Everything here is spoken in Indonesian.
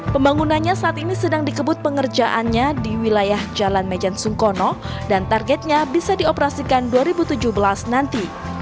pembangunannya saat ini sedang dikebut pengerjaannya di wilayah jalan mejen sungkono dan targetnya bisa dioperasikan dua ribu tujuh belas nanti